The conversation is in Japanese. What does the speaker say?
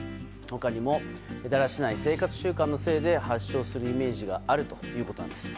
他にもだらしない生活習慣のせいで発症するイメージがあるということなんです。